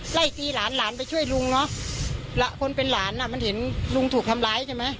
ไล่ตีหลานหลานไปช่วยลุงเนอะคนเป็นหลานอ่ะมันเห็นลุงถูกทำร้ายใช่ไหม